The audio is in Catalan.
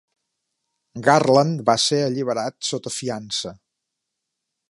Garland va ser alliberat sota fiança.